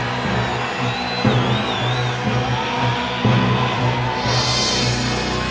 putri putri yang berdiri di depan